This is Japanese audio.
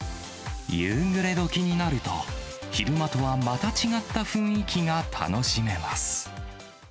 夕暮れどきになると、昼間とはまた違った雰囲気が楽しめます。